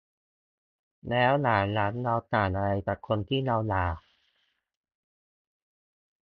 แล้วอย่างนั้นเราต่างอะไรกับคนที่เราด่า ?